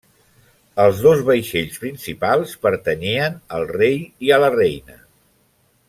Els dos vaixells principals pertanyien al rei i a la reina.